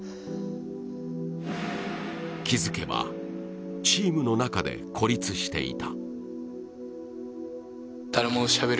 気づけばチームの中で孤立していた。